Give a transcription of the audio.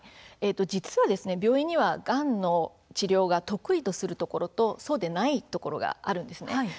実は、病院にはがんの治療を得意とするところとそうでないところがあります。